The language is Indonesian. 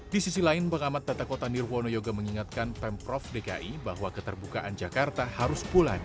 di sisi lain pengamat tata kota nirwono yoga mengingatkan pemprov dki bahwa keterbukaan jakarta harus pula di